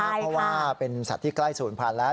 เพราะว่าเป็นสัตว์ที่ใกล้๐๐๐๐แล้ว